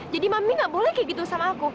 jadi mami gak boleh kayak gitu sama aku